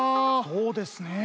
そうですねえ。